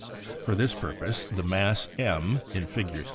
For this purpose the mass M (in Fig.